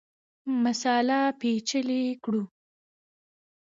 مسأله پېچلې کړو.